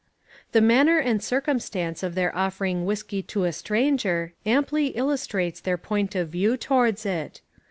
The manner and circumstance of their offering whiskey to a stranger amply illustrates their point of view towards it.